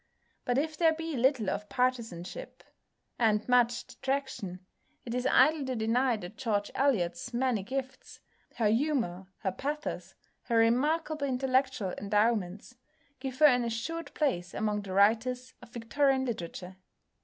But if there be little of partisanship and much detraction, it is idle to deny that George Eliot's many gifts, her humour, her pathos, her remarkable intellectual endowments, give her an assured place among the writers of Victorian literature.